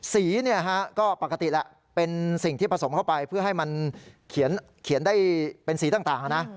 ก็ปกติแหละเป็นสิ่งที่ผสมเข้าไปเพื่อให้มันเขียนได้เป็นสีต่างนะ